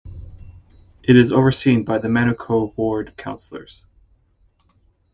It is overseen by the Manukau Ward councillors.